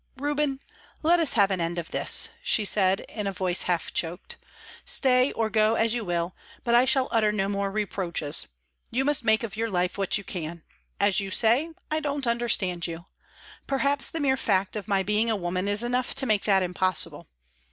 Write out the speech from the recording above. "Reuben, let us have an end of this," she said, in a voice half choked. "Stay or go as you will; but I shall utter no more reproaches. You must make of your life what you can. As you say, I don't understand you. Perhaps the mere fact of my being a woman is enough to make that impossible.